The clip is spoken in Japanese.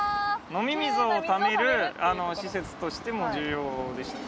飲み水をためる施設としても重要でした。